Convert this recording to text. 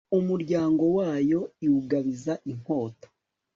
umuryango wayo iwugabiza inkota